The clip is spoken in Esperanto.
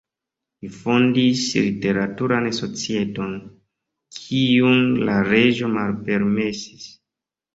Li fondis literaturan societon, kiun la reĝo malpermesis.